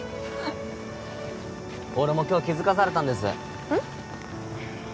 俺も今日気づかされたんですうん？